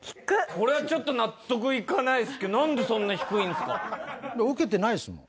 これはちょっと納得いかないですけどなんでそんな低いんですか？